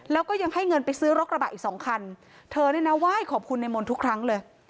แล้วก็ยังให้เงินไปซื้อรถกระบะอีกสองคันเธอเนี่ยนะไหว้ขอบคุณในมนต์ทุกครั้งเลย